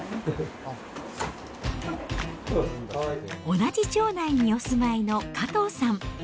同じ町内にお住まいの加藤さん。